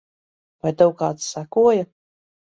Vai tev kāds sekoja?